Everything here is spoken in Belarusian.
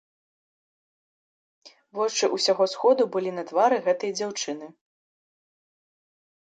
Вочы ўсяго сходу былі на твары гэтай дзяўчыны.